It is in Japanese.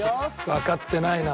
わかってないな。